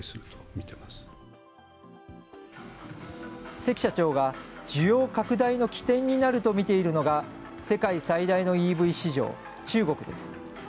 関社長が、需要拡大の起点になると見ているのが、世界最大のＥＶ市場、中国です。